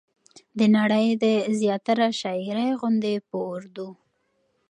د نړۍ د زياتره شاعرۍ غوندې په اردو